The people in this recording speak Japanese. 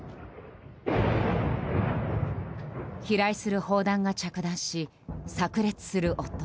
飛来する砲弾が着弾し炸裂する音。